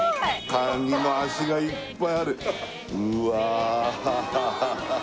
カニの足がいっぱいあるうわー